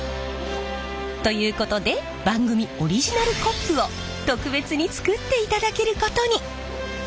ということで番組オリジナルコップを特別に作っていただけることに！